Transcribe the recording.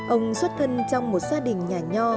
ông xuất khân trong một gia đình nhà nho